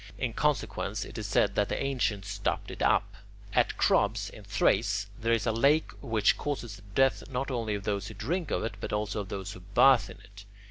In consequence, it is said that the ancients stopped it up. At Chrobs in Thrace there is a lake which causes the death not only of those who drink of it, but also of those who bathe in it.